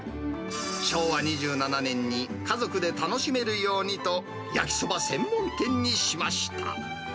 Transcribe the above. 昭和２７年に家族で楽しめるようにと、焼きそば専門店にしました。